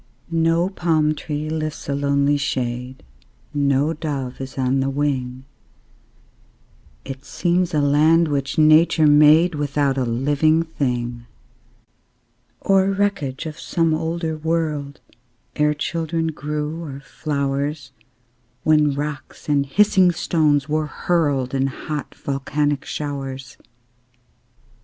No palm tree lifts a lonely shade, No dove is on the wing; It seems a land which Nature made Without a living thing, Or wreckage of some older world, Ere children grew, or flowers, When rocks and hissing stones were hurled In hot, volcanic showers.